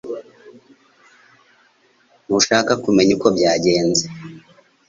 Ntushaka kumenya uko byagenze